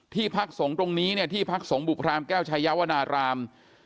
พักสงฆ์ตรงนี้เนี่ยที่พักสงฆ์บุพรามแก้วชายวนาราม